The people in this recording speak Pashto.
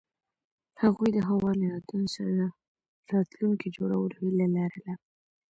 هغوی د هوا له یادونو سره راتلونکی جوړولو هیله لرله.